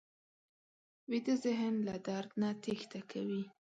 ویده ذهن له درد نه تېښته کوي